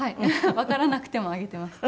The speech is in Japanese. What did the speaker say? わからなくても挙げていました。